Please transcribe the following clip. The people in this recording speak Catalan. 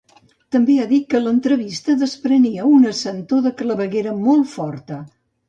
També ha dit que l'entrevista desprenia una "sentor de claveguera molt forta".